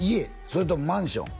それともマンション？